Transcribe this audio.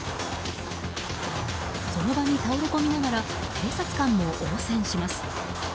その場に倒れ込みながら警察官も応戦します。